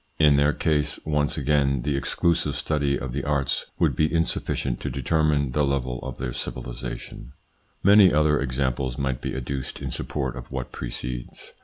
In their case, once again, the exclusive study of the arts would be insufficient to determine the level of their civilisation. ITS INFLUENCE ON THEIR EVOLUTION 69 Many other examples might be adduced in support of what precedes.